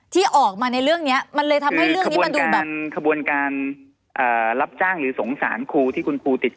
ที่ออกมาในเรื่องนี้มันเลยทำให้เรื่องนี้มันดูแบบ